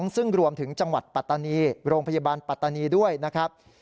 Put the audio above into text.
ซึ่งรวมถึงจังหวัดปัตตานีโรงพยาบาลปัตตานีด้วยนะครับ